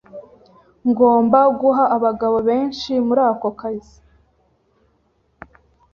Ngomba guha abagabo benshi muri ako kazi.